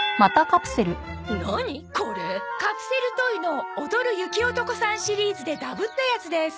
カプセルトイの「踊る雪男さん」シリーズでダブったやつです。